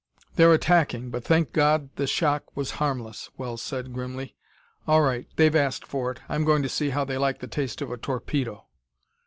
"They're attacking, but thank God the shock was harmless!" Wells said grimly. "All right; they've asked for it: I'm going to see how they like the taste of a torpedo!"